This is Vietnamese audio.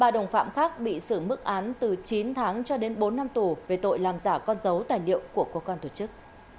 ba đồng phạm khác bị xử mức án từ chín tháng cho đến bốn năm tù về tội làm giả con dấu tài liệu của cơ quan tổ chức